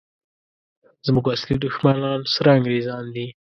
زموږ اصلي دښمنان سره انګریزان دي!